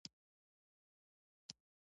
تودوخه د افغانستان د اقتصاد برخه ده.